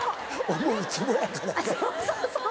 思うつぼやからやろ。